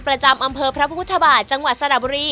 ประจำอำเภอพระพุทธบาทจังหวัดสระบุรี